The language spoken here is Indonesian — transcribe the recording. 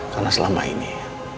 karena selama ini